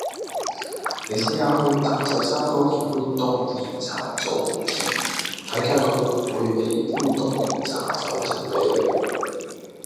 你試吓去譚仔三哥叫杯「凍鏈茶早田」睇吓佢會唔會俾杯凍檸茶走甜俾你